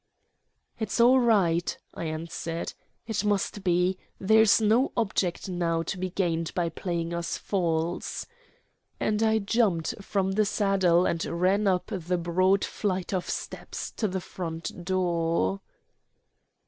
"It's all right," I answered. "It must be; there's no object now to be gained by playing us false," and I jumped from the saddle and ran up the broad flight of steps to the front door.